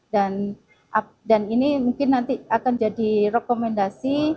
dan ini mungkin nanti akan jadi rekomendasi